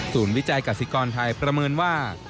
วิจัยกษิกรไทยประเมินว่า